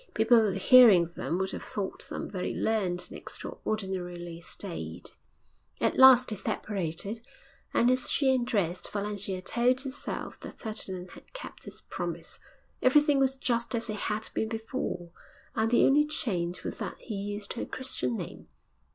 People hearing them would have thought them very learned and extraordinarily staid. At last they separated, and as she undressed Valentia told herself that Ferdinand had kept his promise. Everything was just as it had been before, and the only change was that he used her Christian name.